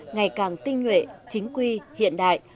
ngày càng tinh nhuệ chính quy hiện đại